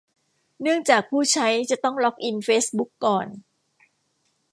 เนื่องจากผู้ใช้จะต้องล็อกอินเฟซบุ๊กก่อน